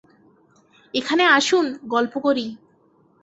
এখানে আসুন, গল্প করি।